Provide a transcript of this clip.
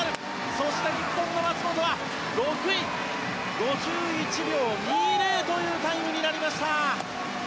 そして、日本の松元は６位５１秒２０というタイムになりました。